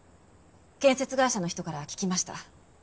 建設会社の人から聞きました。